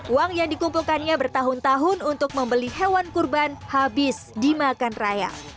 uang yang dikumpulkannya bertahun tahun untuk membeli hewan kurban habis dimakan raya